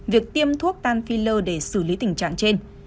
việc tiêm thuốc tan phil để xử lý tình trạng trên